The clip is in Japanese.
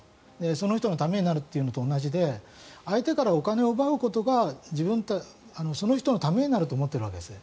その人のためになるというのと同じで相手からお金を奪うことがその人のためになると思っているわけです